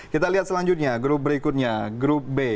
kita lihat selanjutnya grup berikutnya grup b